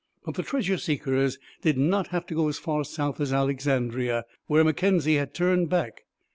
But the treasure seekers did not have to go as far south as Alexandria, where Mackenzie had turned back.